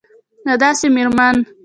او داسي میرمن